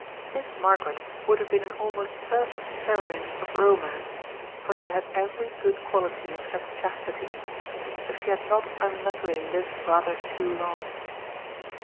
This Margaret would have been an almost perfect heroine of romance (for she had every good quality except chastity), if she had not unluckily lived rather too long.